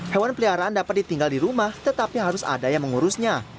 hewan peliharaan dapat ditinggal di rumah tetapi harus ada yang mengurusnya